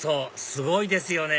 すごいですよね